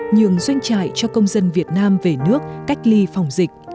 nhường doanh trại cho công dân việt nam về nước cách ly phòng dịch